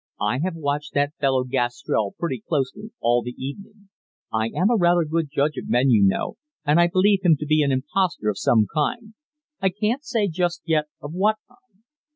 I have watched that fellow Gastrell pretty closely all the evening; I am rather a good judge of men, you know, and I believe him to be an impostor of some kind I can't say just yet of what kind.